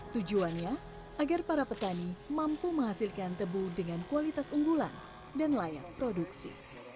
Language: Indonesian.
tujuannya agar para petani mampu menghasilkan tebu dengan kualitas unggulan dan layak produksi